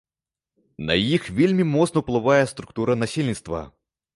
На іх вельмі моцна ўплывае структура насельніцтва.